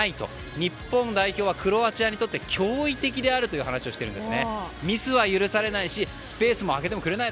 日本代表はクロアチアにとって脅威的であるという話をしているんです。